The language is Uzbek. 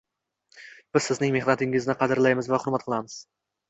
Biz sizning mehnatingizni qadrlaymiz va hurmat qilamiz